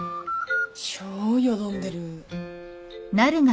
超よどんでる。